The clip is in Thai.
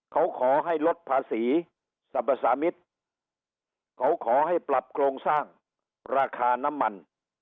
เขาขอให้ลดภาษีสรรพสามิตรเขาขอให้ปรับโครงสร้างราคาน้ำมัน